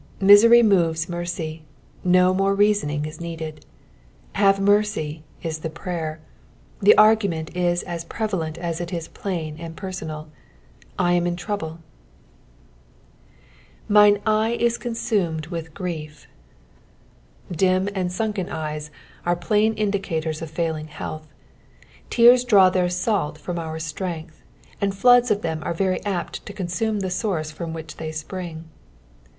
Misery moves mercy — do more reasoning is needed. " Have mercy" is the prayer ; the argument is as prevalent as it is plain and peisonal, ■" I am in trauhle," " Min« eye u ammmed leith gryf.^^ Dim and sunken eyes :nre plain indicators of failing health. Tears draw tbeir salt from our stren^h, and floods of them are very apt to consume the source from which they apnng.